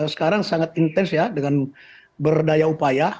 sekarang sangat intens ya dengan berdaya upaya